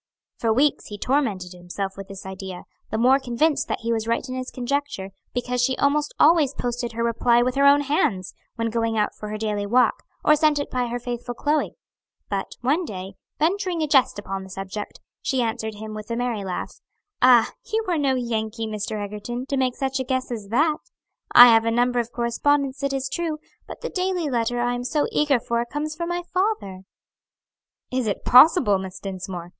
For weeks he tormented himself with this idea; the more convinced that he was right in his conjecture, because she almost always posted her reply with her own hands, when going out for her daily walk, or sent it by her faithful Chloe; but one day, venturing a jest upon the subject, she answered him, with a merry laugh, "Ah, you are no Yankee, Mr. Egerton, to make such a guess as that! I have a number of correspondents, it is true; but the daily letter I am so eager for comes from my father." "Is it possible, Miss Dinsmore!